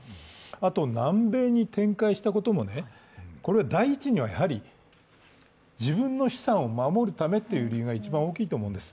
あと南米に展開したことも第一には自分の資産を守るためという理由が一番大きいと思うんです。